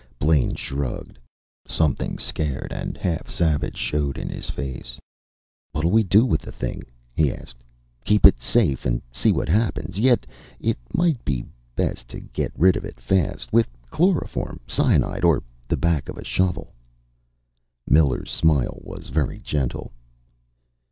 Blaine shrugged. Something scared and half savage showed in his face. "What'll we do with the thing?" he asked. "Keep it safe and see what happens. Yet it might be best to get rid of it fast with chloroform, cyanide or the back of a shovel." Miller's smile was very gentle.